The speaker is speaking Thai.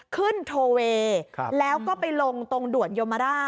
โทเวย์แล้วก็ไปลงตรงด่วนโยมร่า